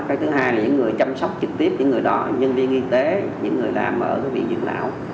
cái thứ hai là những người chăm sóc trực tiếp những người đó nhân viên y tế những người làm ở viện dưỡng lão